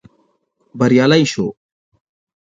بريالي شوو.